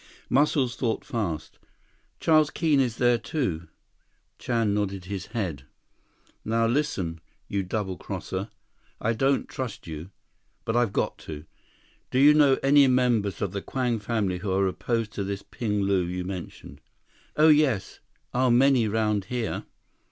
Muscles thought fast. "Charles Keene is there, too?" 164 Chan nodded his head. "Now listen, you double crosser. I don't trust you, but I've got to. Do you know any members of the Kwang family who are opposed to this Ping Lu you mentioned?" "Oh, yes. Are many around here."